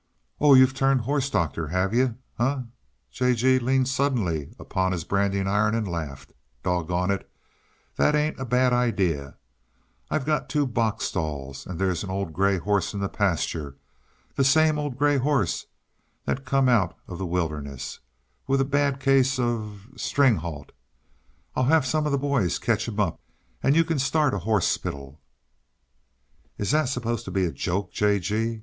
"Oh. You've turned horse doctor, have yuh?" J. G. leaned suddenly upon his branding iron and laughed. "Doggone it, that ain't a bad idea. I've got two box stalls, and there's an old gray horse in the pasture the same old gray horse that come out uh the wilderness with a bad case uh string halt. I'll have some uh the boys ketch him up and you can start a horsepital!" "Is that supposed to be a joke, J. G.?